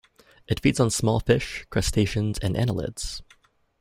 It feeds on small fish, crustaceans, and annelids.